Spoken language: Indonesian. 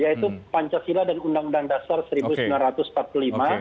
yaitu pancasila dan undang undang dasar seribu sembilan ratus empat puluh lima